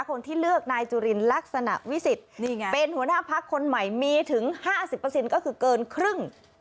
คนที่เลือกนายจุลินลักษณะวิสิทธิ์เป็นหัวหน้าพักคนใหม่มีถึง๕๐ก็คือเกินครึ่ง